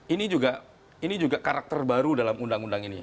ini juga karakter baru dalam undang undang ini